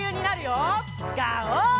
ガオー！